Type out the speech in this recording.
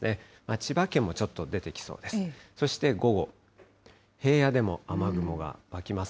千葉県もちょっと出てきそうです。